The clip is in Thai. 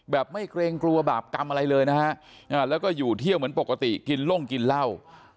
ไม่เกรงกลัวบาปกรรมอะไรเลยนะฮะแล้วก็อยู่เที่ยวเหมือนปกติกินล่มกินเหล้า